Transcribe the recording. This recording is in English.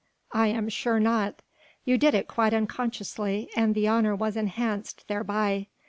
"I am sure not. You did it quite unconsciously and the honour was enhanced thereby.